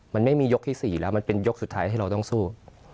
มันไม่มียกที่๔แล้วมันเป็นยกสุดท้ายที่เราต้องสู้